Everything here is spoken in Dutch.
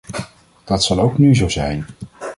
Dat zal ook nu zo zijn.